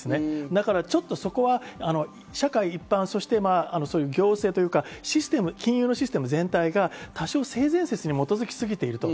だからちょっとそこは社会一般、そして行政というかシステム、金融のシステム全体が、多少性善説に基づき過ぎていると。